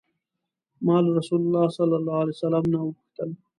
ما له رسول الله صلی الله علیه وسلم نه وپوښتل.